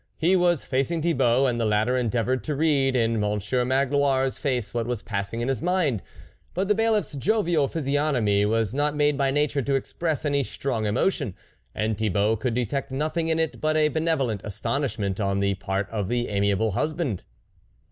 He was facing Thibault, and the latter endeavoured to read in Monsieur Magloire's face what was passing in his mind. But the Bailiffs jovial physiognomy was not made by nature to express any strong emotion, and Thibault could detect noth ing in it but a benevolent astonishment on the part of the amiable husband.